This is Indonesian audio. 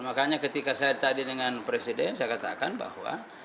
makanya ketika saya tadi dengan presiden saya katakan bahwa